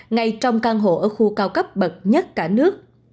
ngay trong căn hộ ở khu cao cấp bậc nhất cả nước